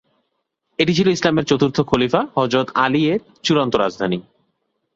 এটি ছিলো ইসলামের চতুর্থ খলিফা হযরত আলী এর চূড়ান্ত রাজধানী।